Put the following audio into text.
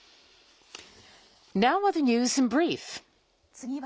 次は。